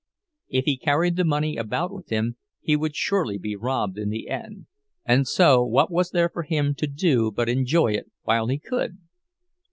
If he carried the money about with him, he would surely be robbed in the end; and so what was there for him to do but enjoy it while he could?